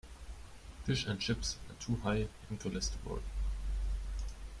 Fish and chips are too high in cholesterol.